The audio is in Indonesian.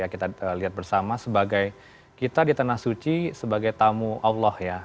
kita lihat bersama sebagai kita di tanah suci sebagai tamu allah ya